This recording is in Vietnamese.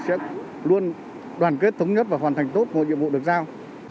sẽ luôn đoàn kết thống nhất và hoàn thành tốt mọi nhiệm vụ được giao